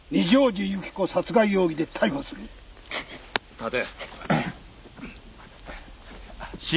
立て。